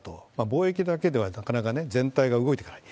貿易だけではなかなか全体が動いていかない。